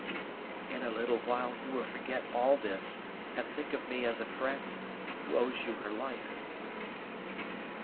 "In a little while you will forget all this, and think of me as a friend, who owes you her life."